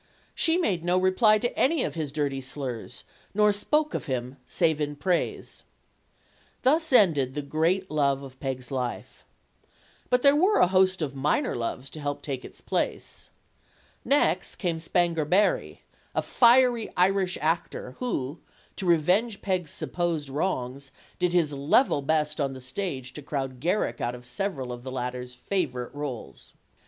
She made no reply to any of his dirty slurs; nor spoke of him save in praise. Thus ended the great love of Peg's life. But there were a host of minor loves to help take its place. Next came Spanger Berry, a fiery Irish actor who, to revenge Peg's supposed wrongs, did his level best on the stage to crowd Garrick out of several of the latter's favorite roles.